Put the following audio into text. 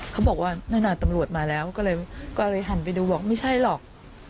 เขาบอกว่านั่นน่ะตำรวจมาแล้วก็เลยหันไปดูบอกไม่ใช่หรอก